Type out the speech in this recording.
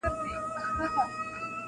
• په واسکټ چي یې ښایستې حوري وېشلې -